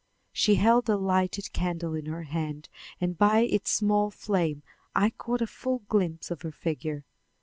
She held a lighted candle in her hand and by its small flame I caught a full glimpse of her figure.